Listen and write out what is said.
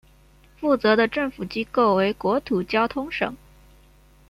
负责的政府机构为国土交通省。